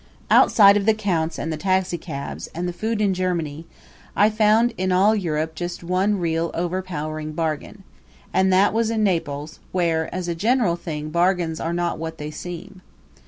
Outside of the counts and the taxicabs, and the food in Germany, I found in all Europe just one real overpowering bargain and that was in Naples, where, as a general thing, bargains are not what they seem.